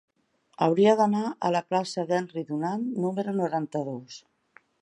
Hauria d'anar a la plaça d'Henry Dunant número noranta-dos.